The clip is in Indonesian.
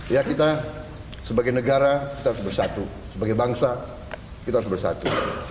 ya kita sebagai negara kita harus bersatu sebagai bangsa kita harus bersatu